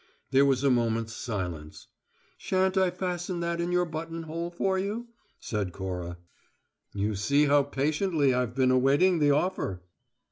There was a moment's silence. "Shan't I fasten that in your buttonhole for you," said Cora. "You see how patiently I've been awaiting the offer!"